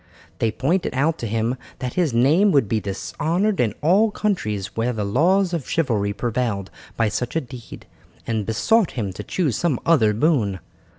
They pointed out to him that his name would be dishonoured in all countries where the laws of chivalry prevailed by such a deed, and besought him to choose some other boon.